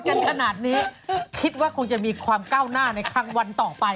กันขนาดนี้คิดว่าคงจะมีความก้าวหน้าในครั้งวันต่อไป